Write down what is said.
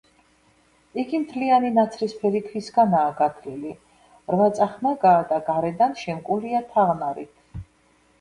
იგი მთლიანი ნაცრისფერი ქვისგანაა გათლილი, რვაწახნაგაა და გარედან შემკულია თაღნარით.